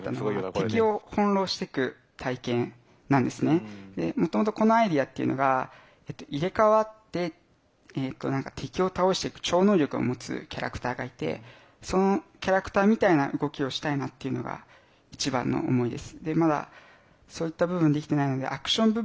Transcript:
実を言うともともとこのアイデアっていうのが入れかわって敵を倒していく超能力を持つキャラクターがいてそのキャラクターみたいな動きをしたいなっていうのが一番の思いです。